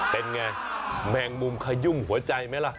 เป็นไงแมงมุมขยุ่มหัวใจไหมล่ะ